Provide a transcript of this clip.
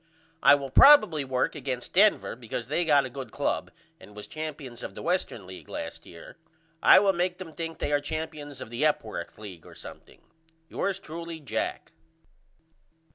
I will probily work against Denver because they got a good club and was champions of the Western League last year. I will make them think they are champions of the Epworth League or something. Yours truly, JACK.